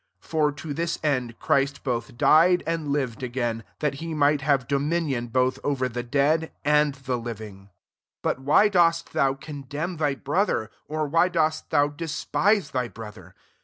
9 For to this cn4 Christ lbo4h'\ died, and lived agtfin, that he might have do minion both over the dead and the living, 10 But why dost thou con demn thy brother? or why dosi thou despise thy brother?